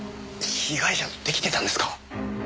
被害者とデキてたんですか？